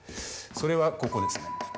それはここですね。